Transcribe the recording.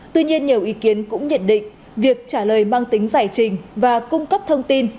tuy nhiên nhiều ý kiến cũng nhận định việc trả lời mang tính giải trình và cung cấp thông tin